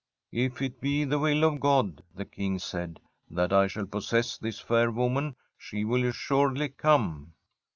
' If it be the will of God,' the King said, ' that I shall possess this fair woman, she will assuredly come.'